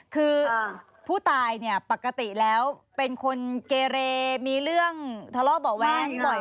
คือผู้ตายเนี่ยปกติแล้วเป็นคนเกเรมีเรื่องทะเลาะเบาะแว้งบ่อย